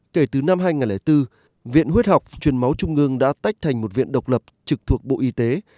kể từ năm hai nghìn bốn viện huyết học truyền máu trung ương đã tách thành một viện độc lập trực thuộc bộ y tế